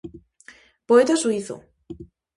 Poeta suízo.